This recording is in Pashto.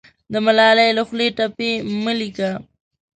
د ملالۍ له خولې ټپې مه لیکه